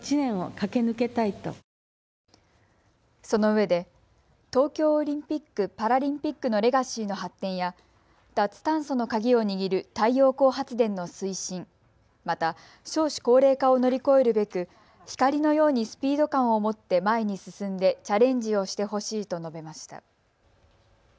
そのうえで東京オリンピック・パラリンピックのレガシーの発展や脱炭素の鍵を握る太陽光発電の推進、また少子高齢化を乗り越えるべく光のようにスピード感を持って前に進んでチャレンジをしてほしいと述べました。